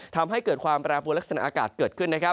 ทำให้เกิดความประระบุลักษณะอากาศเกิดขึ้น